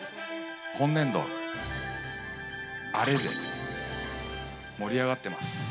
本年度、アレで盛り上がってます。